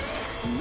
何？